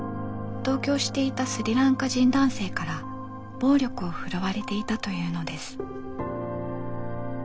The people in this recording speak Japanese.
同居していたスリランカ人男性から暴力を振るわれていたというのです。